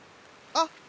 あっ！